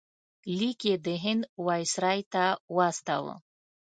لیک یې د هند وایسرا ته واستاوه.